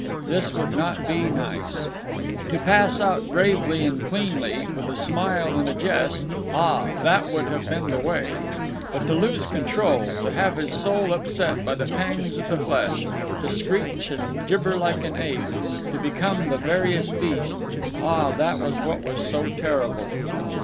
This would not be nice. To pass out bravely and cleanly, with a smile and a jest—ah! that would have been the way. But to lose control, to have his soul upset by the pangs of the flesh, to screech and gibber like an ape, to become the veriest beast—ah, that was what was so terrible.